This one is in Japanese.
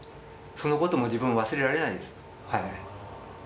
そのことも自分、忘れられないです